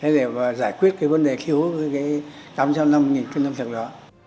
để giải quyết vấn đề khiếu tám trăm năm mươi cân lương thực đó